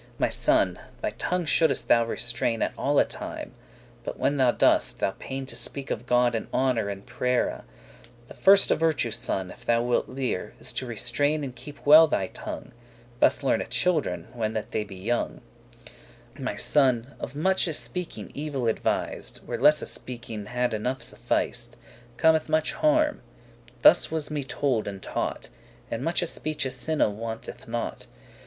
*ruined My son, thy tongue shouldest thou restrain At alle time, *but when thou dost thy pain* *except when you do To speak of God in honour and prayere. your best effort* The firste virtue, son, if thou wilt lear,* *learn Is to restrain and keepe well thy tongue;<4> Thus learne children, when that they be young. My son, of muche speaking evil advis'd, Where lesse speaking had enough suffic'd, Cometh much harm; thus was me told and taught; In muche speeche sinne wanteth not.